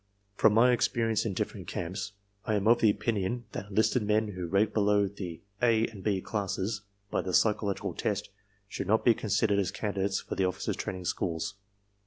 "... From my experience in different camps, I am of the opinion that enlisted men who rate below the A and B classes (by the psycho logical test) should not be considered as candidates for the Officers' Training Schools.